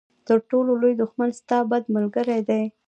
تر ټولو لوی دښمن ستا بد ملګری دی.